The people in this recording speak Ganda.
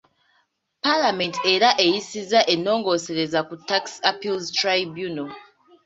Paalamenti era eyisizza ennongoosereza ku Tax Appeals Tribunal.